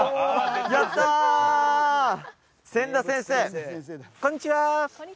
やった千田先生こんにちは！